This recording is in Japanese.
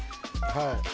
はい。